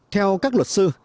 theo các luật sư